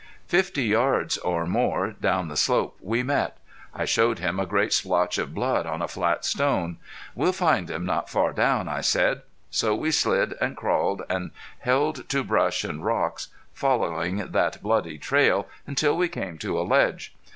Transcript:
Fifty yards or more down the slope we met. I showed him a great splotch of blood on a flat stone. "We'll find him not far down," I said. So we slid and crawled, and held to brush and rocks, following that bloody trail until we came to a ledge.